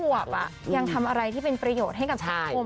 ขวบยังทำอะไรที่เป็นประโยชน์ให้กับสังคม